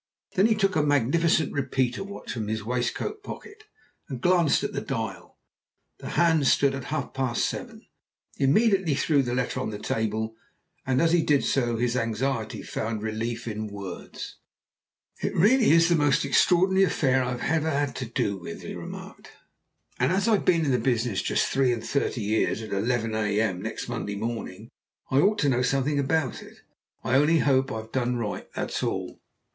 Then he took a magnificent repeater watch from his waistcoat pocket and glanced at the dial; the hands stood at half past seven. He immediately threw the letter on the table, and as he did so his anxiety found relief in words. "It's really the most extraordinary affair I ever had to do with," he remarked. "And as I've been in the business just three and thirty years at eleven a.m. next Monday morning, I ought to know something about it. I only hope I've done right, that's all."